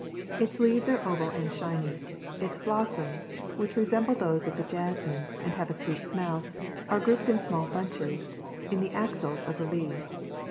Its leaves are oval and shiny ; its blossoms, which resem ble those of the jasmine and have a sweet smell, are grouped in small bunches in the axils of the leaves.